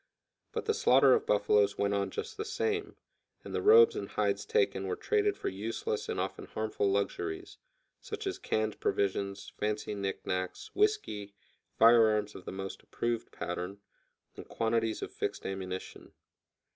But the slaughter of buffaloes went on just the same, and the robes and hides taken were traded for useless and often harmful luxuries, such as canned provisions, fancy knickknacks, whisky, fire arms of the most approved pattern, and quantities of fixed ammunition.